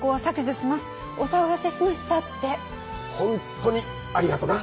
ホントにありがとな！